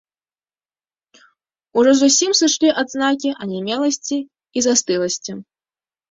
Ужо зусім сышлі адзнакі анямеласці і застыласці.